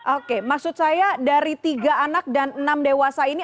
oke maksud saya dari tiga anak dan enam dewasa ini